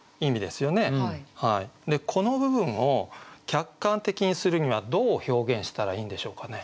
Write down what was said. この部分を客観的にするにはどう表現したらいいんでしょうかね。